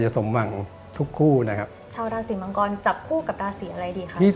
เช่าราศีมังกรจับคู่กับราศีอะไรดีคะอาจารย์